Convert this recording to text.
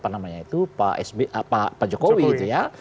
politik terhadap pak jokowi gitu ya